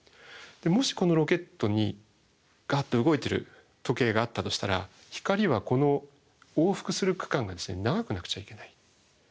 もしこのロケットにガーッと動いてる時計があったとしたら光はこの往復する区間が長くなくちゃいけない。